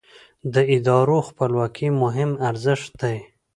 د ادارو خپلواکي مهم ارزښت دی